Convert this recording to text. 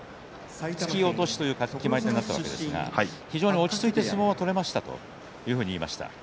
突き落としという決まり手になったわけですが非常に落ち着いて相撲が取れましたというふうに言いました。